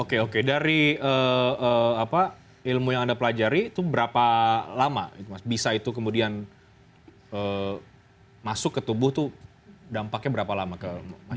oke oke dari ilmu yang anda pelajari itu berapa lama bisa itu kemudian masuk ke tubuh itu dampaknya berapa lama ke masyarakat